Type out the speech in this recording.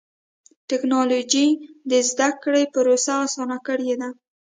ټکنالوجي د زدهکړې پروسه اسانه کړې ده.